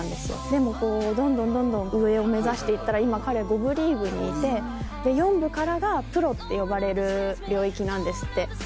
でもどんどんどんどん上を目指していったら今彼５部リーグにいて４部からがプロって呼ばれる領域なんですって。